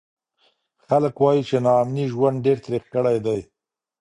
خلک وایي چې ناامني ژوند ډېر تریخ کړی دی.